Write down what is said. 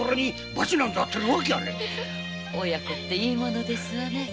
親子っていいものですねぇ。